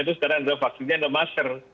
itu sekarang adalah vaksinnya ada masker